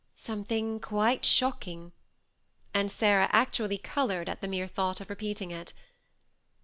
"Something quite shocking;" and Sarah actually colored at the mere thought of repeating it.